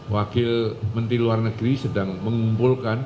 wakil menteri luar negeri sedang mengumpulkan